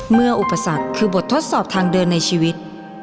อุปสรรคคือบททดสอบทางเดินในชีวิต